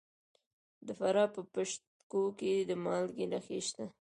د فراه په پشت کوه کې د مالګې نښې شته.